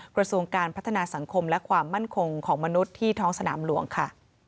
กระทรวงการพัฒนาสังคมและความมั่นคงของมนุษย์ที่ท้องสนามหลวงค่ะ